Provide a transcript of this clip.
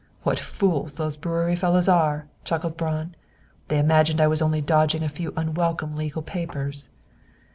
"What fools those brewery fellows are," chuckled Braun. "They imagined that I was only dodging a few unwelcome legal papers."